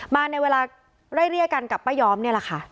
มาในเวลาไล่เรียกกันกับป้ายอมนี่แหละค่ะ